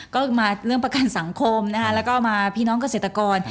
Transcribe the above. ก็คือมาเรื่องประกันสังคมนะคะแล้วก็มาพี่น้องเกษตรกร